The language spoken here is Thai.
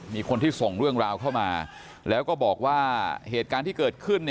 มีคนที่ส่งเรื่องราวเข้ามาแล้วก็บอกว่าเหตุการณ์ที่เกิดขึ้น